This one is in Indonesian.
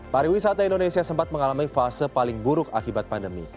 pariwisata indonesia sempat mengalami fase paling buruk akibat pandemi